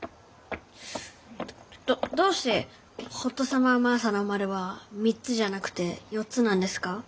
どどどうして「ホットサマー・マーサ」の丸は「３つ」じゃなくて「４つ」なんですか？